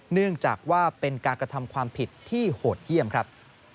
เนื่องจากว่าเป็นการกระทำความผิดที่โหดเยี่ยมครับ